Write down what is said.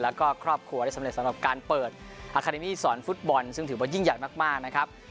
แล้วก็ครอบครัวได้สำเร็จสำหรับการเปิดอาคาเดมี่สอนฟุตบอลซึ่งถือว่ายิ่งใหญ่มากนะครับ